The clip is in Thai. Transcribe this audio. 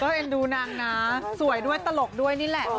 เอ็นดูนางนะสวยด้วยตลกด้วยนี่แหละ